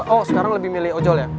oh sekarang lebih milih ojol ya